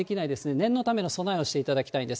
念のための備えをしていただきたいんです。